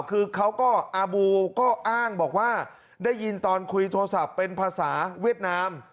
คือเขาก็อาบูก็อ้างบอกว่าได้ยินตอนคุยโทรศัพท์เป็นภาษาเวียดนาม